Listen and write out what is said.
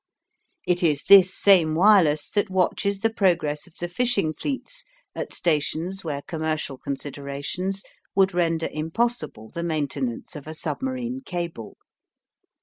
It is this same wireless that watches the progress of the fishing fleets at stations where commercial considerations would render impossible the maintenance of a submarine cable.